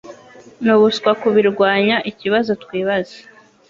Nubuswa kubirwanya ikibazo twibaza